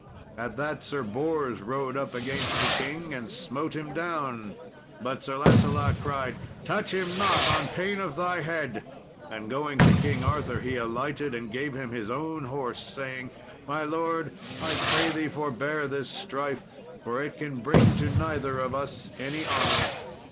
At that Sir Bors rode up against the king and smote him down. But Sir Lancelot cried, "Touch him not on pain of thy head," and going to King Arthur he alighted and gave him his own horse, saying, "My lord, I pray thee forbear this strife, for it can bring to neither of us any honour."